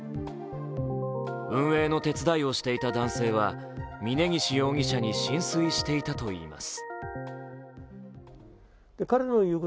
運営の手伝いをしていた男性は峯岸容疑者に心酔していたといいます。